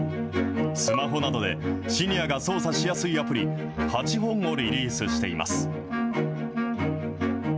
スマホなどでシニアが操作しやすいアプリ、８本をリリースしています。